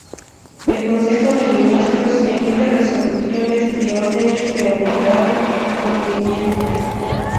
El Consejo de Ministros emite resoluciones y órdenes de obligado cumplimiento.